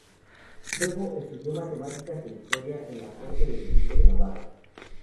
Luego, estudió matemáticas e historia en la corte de Enrique de Navarra.